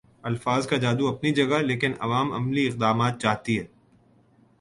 الفاظ کا جادو اپنی جگہ لیکن عوام عملی اقدامات چاہتی ہے